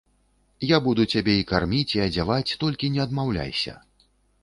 Я буду цябе і карміць і адзяваць, толькі не адмаўляйся.